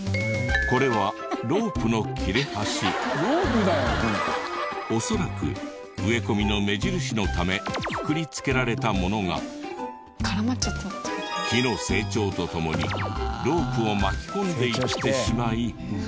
これは恐らく植え込みの目印のためくくりつけられたものが木の成長とともにロープを巻き込んでいってしまい。